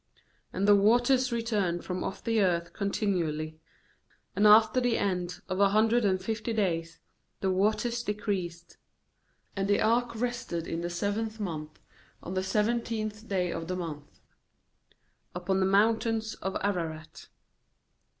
3And the waters returned from off the earth continually; and after the end of a hundred and fifty days the waters decreased. 4And the ark rested in the seventh month, on the seventeenth day of the month, upon the mountains of Ararat.